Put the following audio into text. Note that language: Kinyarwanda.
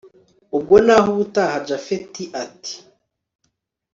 ubwo nahubutaha japhet ati